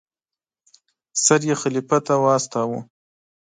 سر یې خلیفه ته واستاوه.